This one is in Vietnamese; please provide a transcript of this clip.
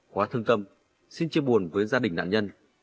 quá thương tâm xin chia buồn với gia đình nạn nhân